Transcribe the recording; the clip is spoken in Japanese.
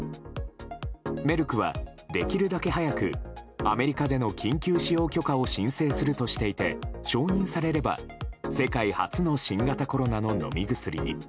メルクはできるだけ早くアメリカでの緊急使用許可を申請するとしていて承認されれば世界初の新型コロナの飲み薬に。